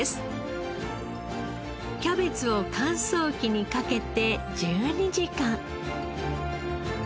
キャベツを乾燥機にかけて１２時間。